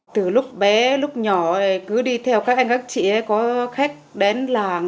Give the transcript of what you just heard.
từ lúc bé lúc nhỏ cứ đi theo các anh các chị có khách đến làng